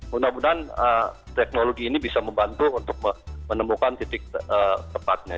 mudah mudahan teknologi ini bisa membantu untuk menemukan titik tepatnya